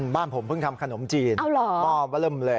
บ้านผมเพิ่งทำขนมจีนหม้อเริ่มเลย